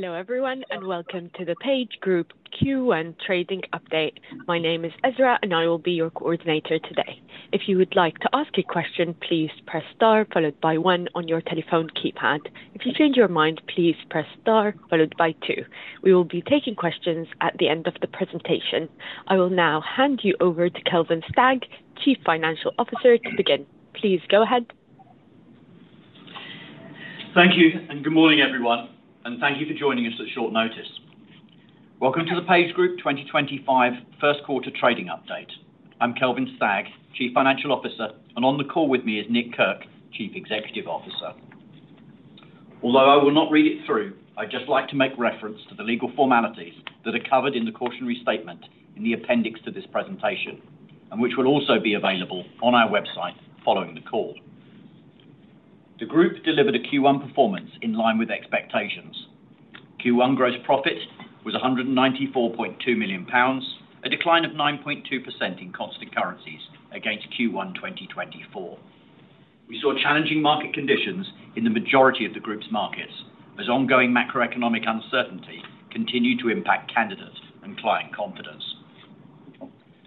Hello everyone and welcome to the PageGroup Q1 Trading Update. My name is Ezra and I will be your coordinator today. If you would like to ask a question, please press star followed by one on your telephone keypad. If you change your mind, please press star followed by two. We will be taking questions at the end of the presentation. I will now hand you over to Kelvin Stagg, Chief Financial Officer, to begin. Please go ahead. Thank you and good morning everyone, and thank you for joining us at short notice. Welcome to the PageGroup 2025 First Quarter Trading Update. I'm Kelvin Stagg, Chief Financial Officer, and on the call with me is Nick Kirk, Chief Executive Officer. Although I will not read it through, I'd just like to make reference to the legal formalities that are covered in the cautionary statement in the appendix to this presentation, and which will also be available on our website following the call. The group delivered a Q1 performance in line with expectations. Q1 gross profit was GBP 194.2 million, a decline of 9.2% in constant currencies against Q1 2024. We saw challenging market conditions in the majority of the group's markets as ongoing macroeconomic uncertainty continued to impact candidate and client confidence.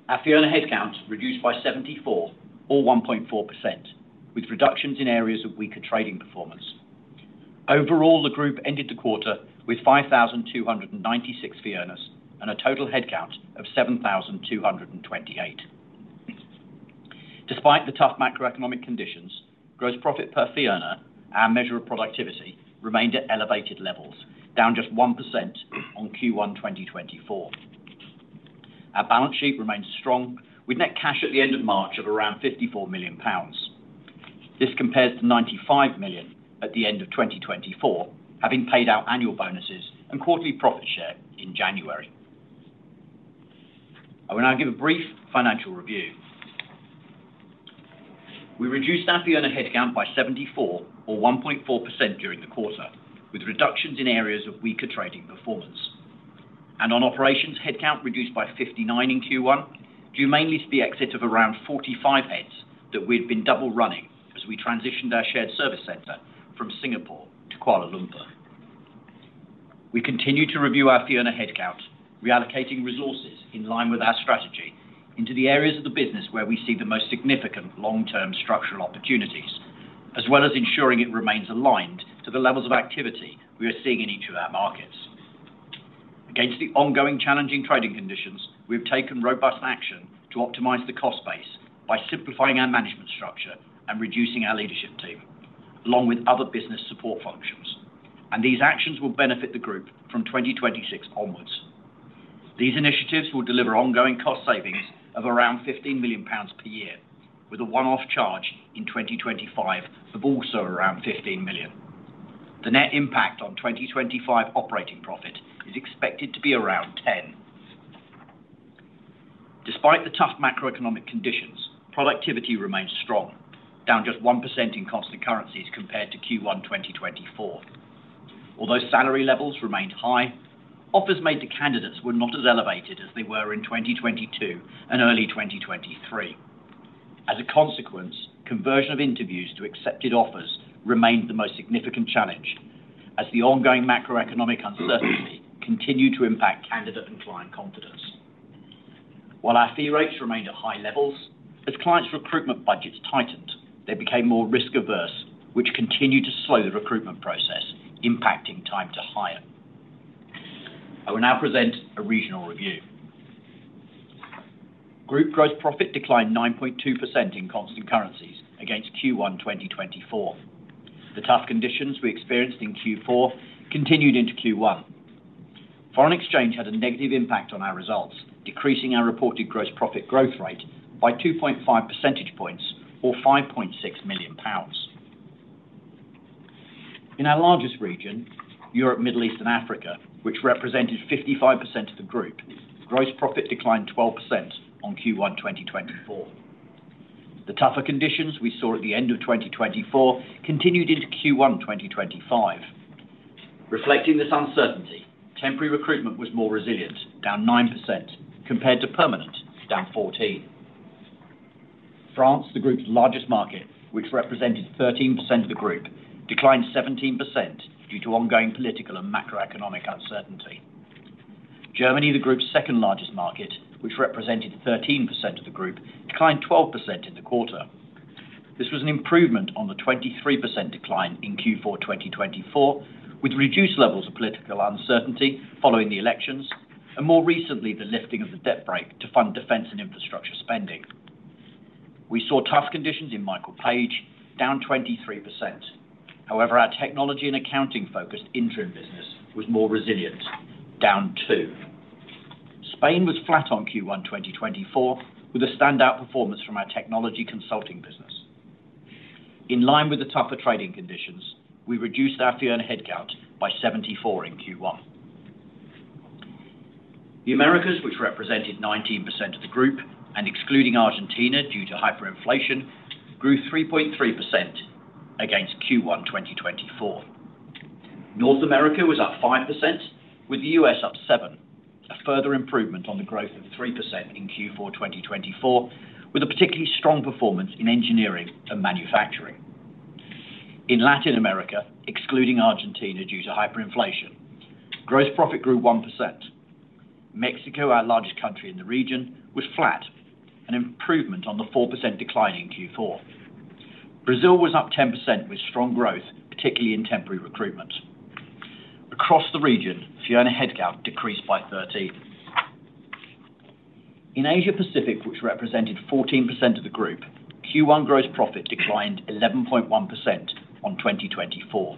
Our fee earner headcount reduced by 74, or 1.4%, with reductions in areas of weaker trading performance. Overall, the group ended the quarter with 5,296 fee earners and a total headcount of 7,228. Despite the tough macroeconomic conditions, gross profit per fee earner, our measure of productivity, remained at elevated levels, down just 1% on Q1 2024. Our balance sheet remained strong, with net cash at the end of March of around 54 million pounds. This compares to 95 million at the end of 2023, having paid out annual bonuses and quarterly profit share in January. I will now give a brief financial review. We reduced our fee earner headcount by 74, or 1.4%, during the quarter, with reductions in areas of weaker trading performance. On operations, headcount reduced by 59 in Q1 due mainly to the exit of around 45 heads that we had been double running as we transitioned our shared service centre from Singapore to Kuala Lumpur. We continue to review our fee earner headcount, reallocating resources in line with our strategy into the areas of the business where we see the most significant long-term structural opportunities, as well as ensuring it remains aligned to the levels of activity we are seeing in each of our markets. Against the ongoing challenging trading conditions, we have taken robust action to optimize the cost base by simplifying our management structure and reducing our leadership team, along with other business support functions, and these actions will benefit the group from 2026 onwards. These initiatives will deliver ongoing cost savings of around 15 million pounds per year, with a one-off charge in 2025 of also around 15 million. The net impact on 2025 operating profit is expected to be around 10. Despite the tough macroeconomic conditions, productivity remained strong, down just 1% in constant currencies compared to Q1 2024. Although salary levels remained high, offers made to candidates were not as elevated as they were in 2022 and early 2023. As a consequence, conversion of interviews to accepted offers remained the most significant challenge, as the ongoing macroeconomic uncertainty continued to impact candidate and client confidence. While our fee rates remained at high levels, as clients' recruitment budgets tightened, they became more risk-averse, which continued to slow the recruitment process, impacting time to hire. I will now present a regional review. Group gross profit declined 9.2% in constant currencies against Q1 2024. The tough conditions we experienced in Q4 continued into Q1. Foreign exchange had a negative impact on our results, decreasing our reported gross profit growth rate by 2.5 percentage points, or 5.6 million pounds. In our largest region, Europe, Middle East, and Africa, which represented 55% of the group, gross profit declined 12% on Q1 2024. The tougher conditions we saw at the end of 2024 continued into Q1 2025. Reflecting this uncertainty, temporary recruitment was more resilient, down 9%, compared to permanent, down 14%. France, the group's largest market, which represented 13% of the group, declined 17% due to ongoing political and macroeconomic uncertainty. Germany, the group's second-largest market, which represented 13% of the group, declined 12% in the quarter. This was an improvement on the 23% decline in Q4 2024, with reduced levels of political uncertainty following the elections, and more recently the lifting of the debt brake to fund defense and infrastructure spending. We saw tough conditions in Michael Page, down 23%. However, our technology and accounting-focused interim business was more resilient, down 2%. Spain was flat on Q1 2024, with a standout performance from our technology consulting business. In line with the tougher trading conditions, we reduced our fee earner headcount by 74% in Q1. The Americas, which represented 19% of the group and excluding Argentina due to hyperinflation, grew 3.3% against Q1 2024. North America was up 5%, with the U.S. up 7%, a further improvement on the growth of 3% in Q4 2024, with a particularly strong performance in engineering and manufacturing. In Latin America, excluding Argentina due to hyperinflation, gross profit grew 1%. Mexico, our largest country in the region, was flat, an improvement on the 4% decline in Q4. Brazil was up 10%, with strong growth, particularly in temporary recruitment. Across the region, fee earner headcount decreased by 13%. In Asia-Pacific, which represented 14% of the group, Q1 gross profit declined 11.1% on 2024.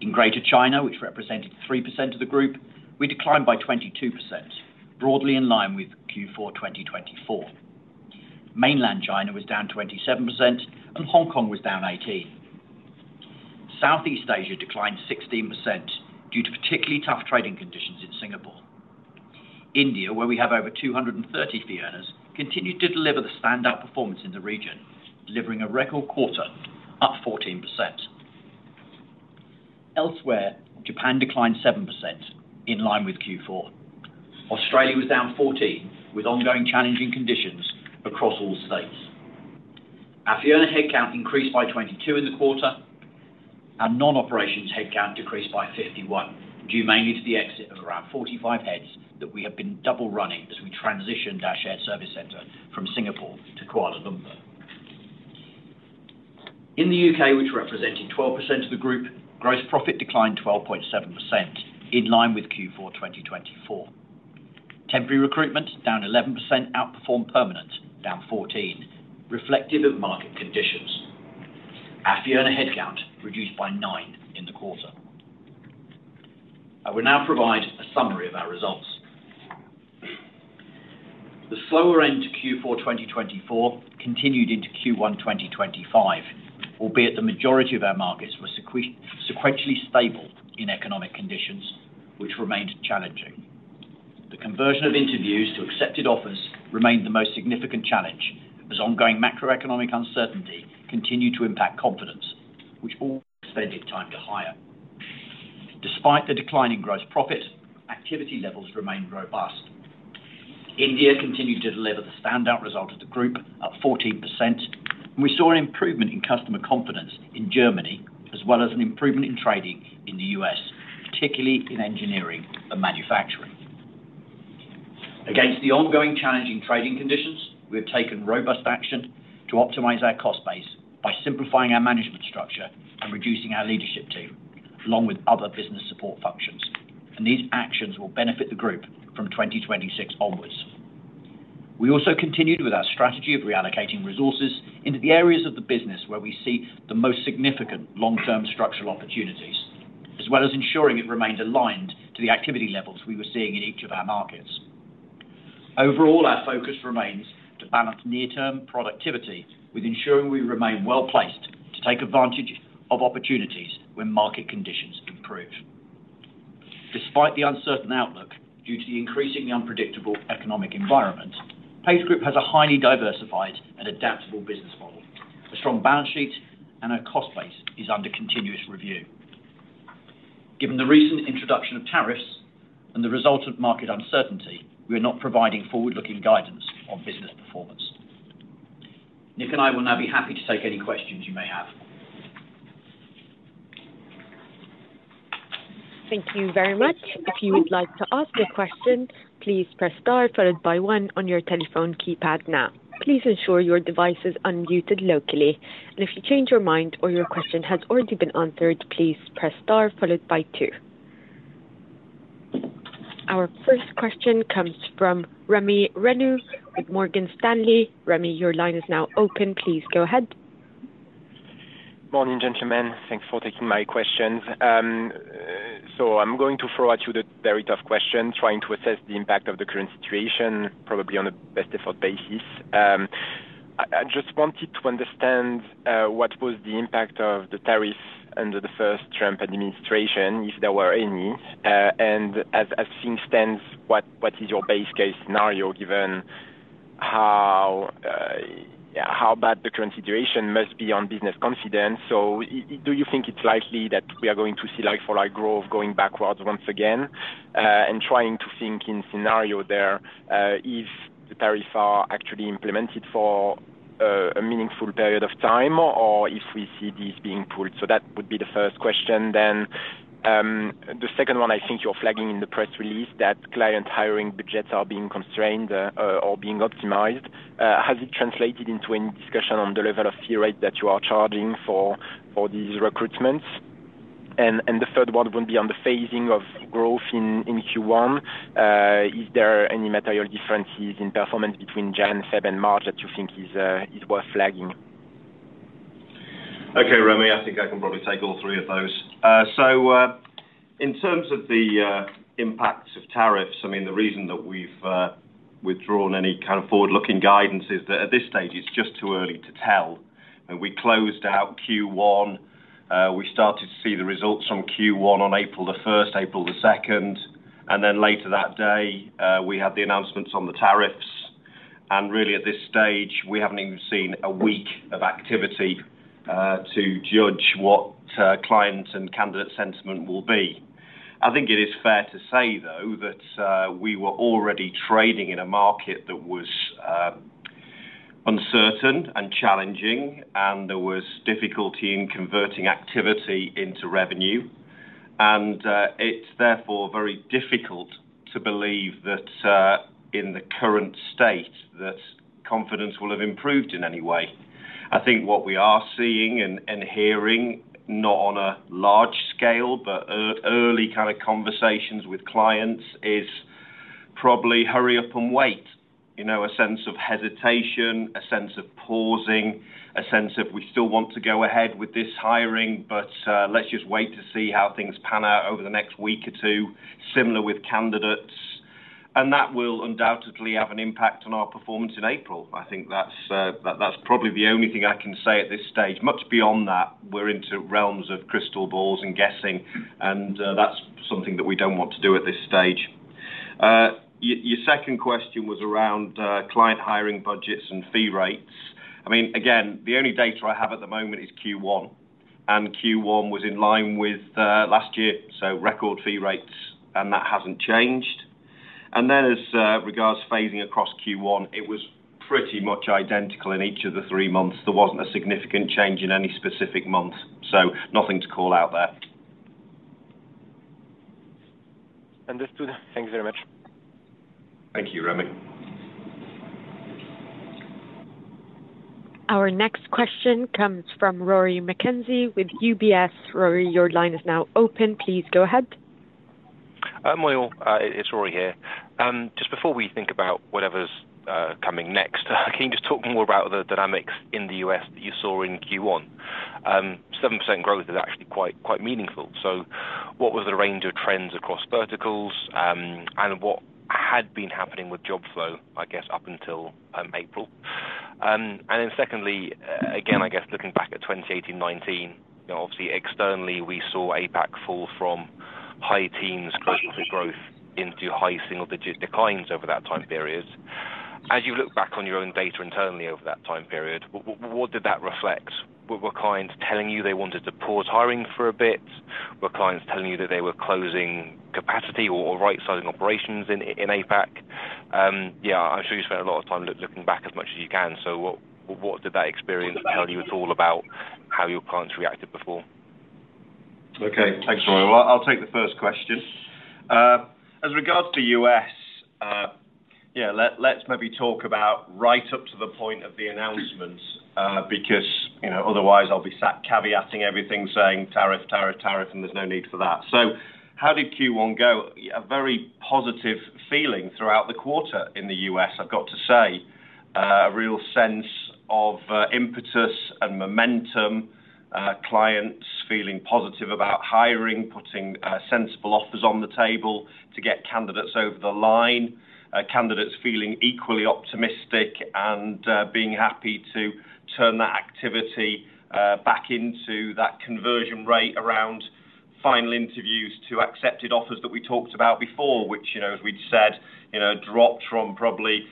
In Greater China, which represented 3% of the group, we declined by 22%, broadly in line with Q4 2024. Mainland China was down 27%, and Hong Kong was down 18%. Southeast Asia declined 16% due to particularly tough trading conditions in Singapore. India, where we have over 230 fee earners, continued to deliver the standout performance in the region, delivering a record quarter, up 14%. Elsewhere, Japan declined 7%, in line with Q4. Australia was down 14%, with ongoing challenging conditions across all states. Our fee earner headcount increased by 22% in the quarter. Our non-operations headcount decreased by 51%, due mainly to the exit of around 45 heads that we have been double running as we transitioned our shared service centre from Singapore to Kuala Lumpur. In the U.K., which represented 12% of the group, gross profit declined 12.7%, in line with Q4 2024. Temporary recruitment, down 11%, outperformed permanent, down 14%, reflective of market conditions. Our fee earner headcount reduced by 9% in the quarter. I will now provide a summary of our results. The slower end to Q4 2024 continued into Q1 2025, albeit the majority of our markets were sequentially stable in economic conditions, which remained challenging. The conversion of interviews to accepted offers remained the most significant challenge, as ongoing macroeconomic uncertainty continued to impact confidence, which also extended time to hire. Despite the decline in gross profit, activity levels remained robust. India continued to deliver the standout result of the group, up 14%, and we saw an improvement in customer confidence in Germany, as well as an improvement in trading in the U.S., particularly in engineering and manufacturing. Against the ongoing challenging trading conditions, we have taken robust action to optimize our cost base by simplifying our management structure and reducing our leadership team, along with other business support functions, and these actions will benefit the group from 2026 onwards. We also continued with our strategy of reallocating resources into the areas of the business where we see the most significant long-term structural opportunities, as well as ensuring it remained aligned to the activity levels we were seeing in each of our markets. Overall, our focus remains to balance near-term productivity with ensuring we remain well placed to take advantage of opportunities when market conditions improve. Despite the uncertain outlook due to the increasingly unpredictable economic environment, PageGroup has a highly diversified and adaptable business model. A strong balance sheet and our cost base is under continuous review. Given the recent introduction of tariffs and the resultant market uncertainty, we are not providing forward-looking guidance on business performance. Nick and I will now be happy to take any questions you may have. Thank you very much. If you would like to ask a question, please press star followed by one on your telephone keypad now. Please ensure your device is unmuted locally. If you change your mind or your question has already been answered, please press star followed by two. Our first question comes from Rémi Grenu with Morgan Stanley. Rémi, your line is now open. Please go ahead. Good morning, gentlemen. Thanks for taking my questions. I'm going to throw at you the very tough question, trying to assess the impact of the current situation, probably on a best-efforts basis. I just wanted to understand what was the impact of the tariffs under the first Trump administration, if there were any, and as things stand, what is your base case scenario given how bad the current situation must be on business confidence? Do you think it's likely that we are going to see like-for-like growth going backwards once again? Trying to think in scenario there, if the tariffs are actually implemented for a meaningful period of time, or if we see these being pulled. That would be the first question. The second one, I think you're flagging in the press release that client hiring budgets are being constrained or being optimised. Has it translated into any discussion on the level of fee rate that you are charging for these recruitments? The third one would be on the phasing of growth in Q1. Is there any material differences in performance between January, February, and March that you think is worth flagging? Okay, Rémi, I think I can probably take all three of those. In terms of the impacts of tariffs, I mean, the reason that we've withdrawn any kind of forward-looking guidance is that at this stage, it's just too early to tell. We closed out Q1. We started to see the results from Q1 on April the 1st, April the 2nd, and then later that day, we had the announcements on the tariffs. Really, at this stage, we haven't even seen a week of activity to judge what client and candidate sentiment will be. I think it is fair to say, though, that we were already trading in a market that was uncertain and challenging, and there was difficulty in converting activity into revenue. It is therefore very difficult to believe that in the current state, that confidence will have improved in any way. I think what we are seeing and hearing, not on a large scale, but early kind of conversations with clients, is probably hurry up and wait. A sense of hesitation, a sense of pausing, a sense of we still want to go ahead with this hiring, but let's just wait to see how things pan out over the next week or two, similar with candidates. That will undoubtedly have an impact on our performance in April. I think that's probably the only thing I can say at this stage. Much beyond that, we're into realms of crystal balls and guessing, and that's something that we don't want to do at this stage. Your second question was around client hiring budgets and fee rates. I mean, again, the only data I have at the moment is Q1, and Q1 was in line with last year, so record fee rates, and that hasn't changed. As regards phasing across Q1, it was pretty much identical in each of the three months. There wasn't a significant change in any specific month, so nothing to call out there. Understood. Thanks very much. Thank you, Rémi. Our next question comes from Rory McKenzie with UBS. Rory, your line is now open. Please go ahead. Morning all, it's Rory here. Just before we think about whatever's coming next, can you just talk more about the dynamics in the U.S. that you saw in Q1? 7% growth is actually quite meaningful. What was the range of trends across verticals, and what had been happening with job flow, I guess, up until April? Secondly, again, I guess looking back at 2018-2019, obviously externally, we saw APAC fall from high teens growth into high single-digit declines over that time period. As you look back on your own data internally over that time period, what did that reflect? Were clients telling you they wanted to pause hiring for a bit? Were clients telling you that they were closing capacity or rightsizing operations in APAC? Yeah, I'm sure you spent a lot of time looking back as much as you can. What did that experience tell you at all about how your clients reacted before? Okay, thanks, Rory. I'll take the first question. As regards to U.S., yeah, let's maybe talk about right up to the point of the announcement, because otherwise I'll be caveating everything saying tariff, tariff, tariff, and there's no need for that. How did Q1 go? A very positive feeling throughout the quarter in the U.S., I've got to say. A real sense of impetus and momentum, clients feeling positive about hiring, putting sensible offers on the table to get candidates over the line, candidates feeling equally optimistic and being happy to turn that activity back into that conversion rate around final interviews to accepted offers that we talked about before, which, as we'd said, dropped from probably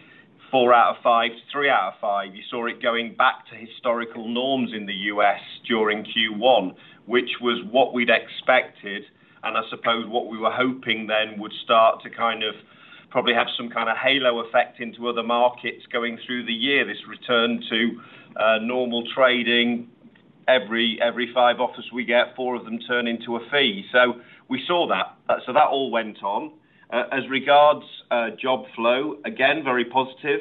four out of five to three out of five. You saw it going back to historical norms in the U.S. during Q1, which was what we'd expected, and I suppose what we were hoping then would start to kind of probably have some kind of halo effect into other markets going through the year. This return to normal trading, every five offers we get, four of them turn into a fee. We saw that. That all went on. As regards job flow, again, very positive,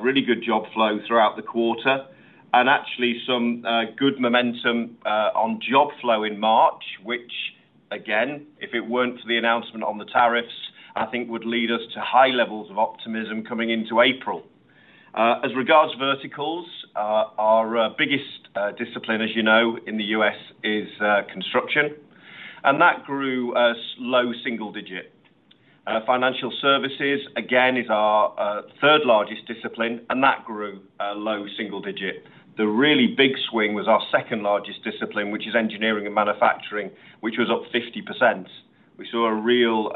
really good job flow throughout the quarter, and actually some good momentum on job flow in March, which, again, if it were not for the announcement on the tariffs, I think would lead us to high levels of optimism coming into April. As regards verticals, our biggest discipline, as you know, in the U.S. is construction, and that grew low single-digit. Financial services, again, is our third largest discipline, and that grew low single-digit. The really big swing was our second largest discipline, which is engineering and manufacturing, which was up 50%. We saw a real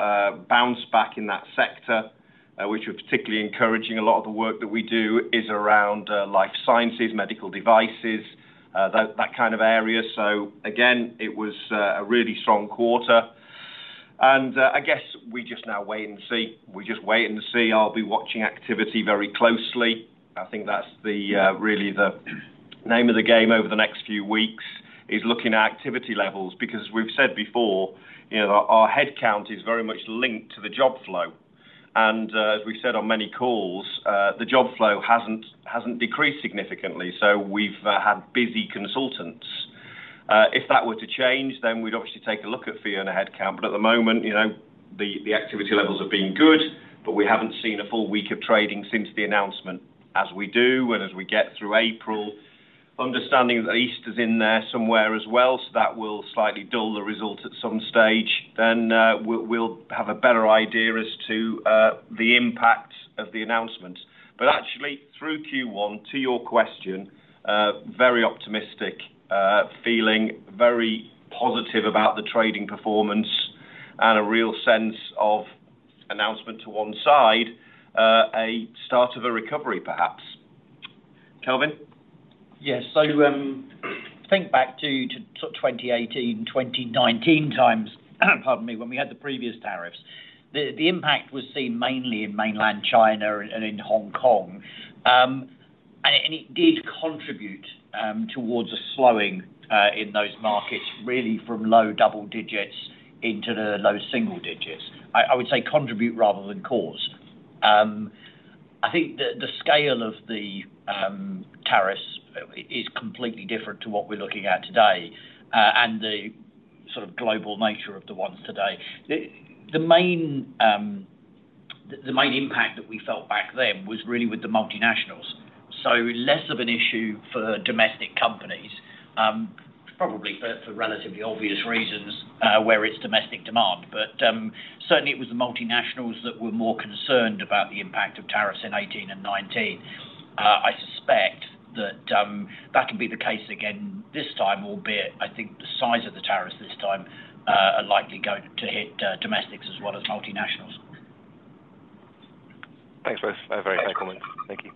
bounce back in that sector, which was particularly encouraging. A lot of the work that we do is around life sciences, medical devices, that kind of area. It was a really strong quarter. I guess we just now wait and see. We're just waiting to see. I'll be watching activity very closely. I think that's really the name of the game over the next few weeks, is looking at activity levels, because as we've said before, our headcount is very much linked to the job flow. As we've said on many calls, the job flow hasn't decreased significantly, so we've had busy consultants. If that were to change, then we'd obviously take a look at fee and headcount, but at the moment, the activity levels have been good, but we haven't seen a full week of trading since the announcement, as we do, and as we get through April. Understanding that Easter's in there somewhere as well, so that will slightly dull the result at some stage. We will have a better idea as to the impact of the announcement. Actually, through Q1, to your question, very optimistic feeling, very positive about the trading performance, and a real sense of announcement to one side, a start of a recovery, perhaps. Kelvin? Yes. Think back to 2018, 2019 times, pardon me, when we had the previous tariffs. The impact was seen mainly in Mainland China and in Hong Kong, and it did contribute towards a slowing in those markets, really from low double digits into those single-digits. I would say contribute rather than cause. I think the scale of the tariffs is completely different to what we are looking at today, and the sort of global nature of the ones today. The main impact that we felt back then was really with the multinationals. Less of an issue for domestic companies, probably for relatively obvious reasons where it is domestic demand, but certainly it was the multinationals that were more concerned about the impact of tariffs in 2018 and 2019. I suspect that that can be the case again this time, albeit, I think the size of the tariffs this time are likely going to hit domestics as well as multinationals. Thanks, Kelvin. Very fair comment. Thank you.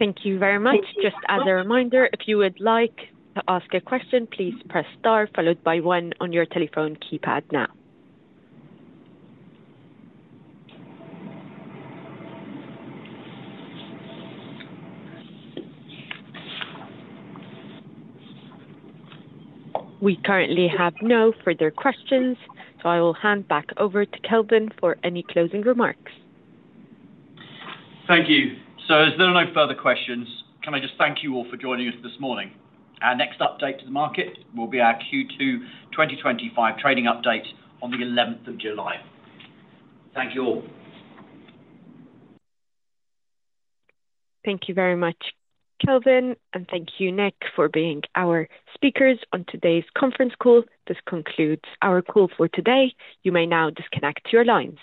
Thank you very much. Just as a reminder, if you would like to ask a question, please press star followed by one on your telephone keypad now. We currently have no further questions, so I will hand back over to Kelvin for any closing remarks. Thank you. As there are no further questions, can I just thank you all for joining us this morning? Our next update to the market will be our Q2 2025 trading update on the 11th of July. Thank you all. Thank you very much, Kelvin, and thank you, Nick, for being our speakers on today's conference call. This concludes our call for today. You may now disconnect your lines.